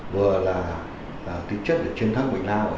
vừa là tính chất của chiến thắng bệnh lào